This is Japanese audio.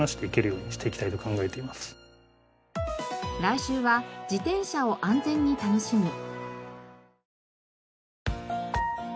来週は自転車を安全に楽しむ。